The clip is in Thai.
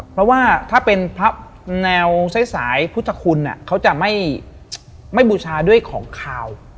เพราะว่าถ้าเป็นพระแนวสายพุทธคุณเขาจะไม่บูชาด้วยของขาว